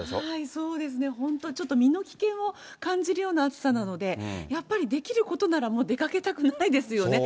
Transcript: そうですね、本当、ちょっと身の危険を感じるような暑さなので、やっぱりできることなら、もう出かけたくないですよね。